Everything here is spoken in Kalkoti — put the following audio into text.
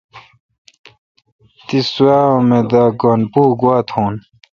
تی سوا اوم د گن پو گوا تھون؟